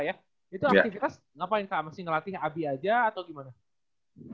itu aktivitas ngapain kak mesti ngelatih abi aja atau gimana